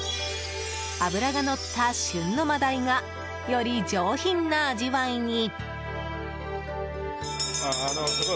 脂がのった旬のマダイがより上品な味わいに。